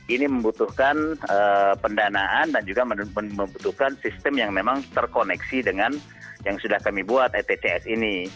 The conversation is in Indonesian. ini membutuhkan pendanaan dan juga membutuhkan sistem yang memang terkoneksi dengan yang sudah kami buat etcs ini